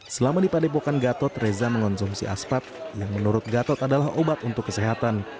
selama di padepokan gatot reza mengonsumsi aspat yang menurut gatot adalah obat untuk kesehatan